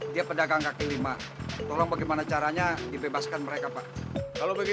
tidak ada orang yang membunuh diri